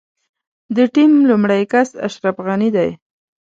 د ټيم لومړی کس اشرف غني دی.